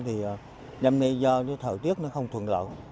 thì năm nay do thời tiết nó không thuận lợi